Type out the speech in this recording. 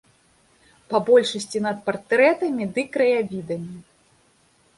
Па большасці над партрэтамі ды краявідамі.